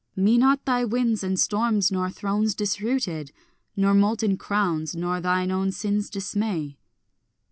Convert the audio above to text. Me not thy winds and storms nor thrones disrooted Nor molten crowns nor thine own sins dismay.